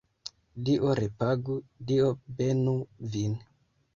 Dio repagu, Dio benu vin!